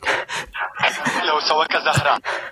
استاد ورته اړینې مشورې ورکړې وې.